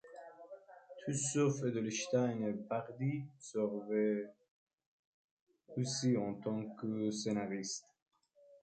Tous sauf Edelstein et Pardee servaient aussi en tant que scénaristes.